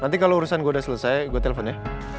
nanti kalau urusan gue udah selesai gue telepon ya